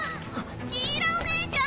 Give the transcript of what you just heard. ギーラお姉ちゃん！